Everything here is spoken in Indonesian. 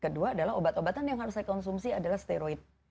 kedua adalah obat obatan yang harus saya konsumsi adalah steroid